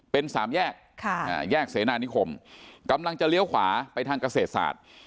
เป็นสามแยกแยกเสนานิคมกำลังจะเลี้ยวขวาไปทางเกษตรศาสตร์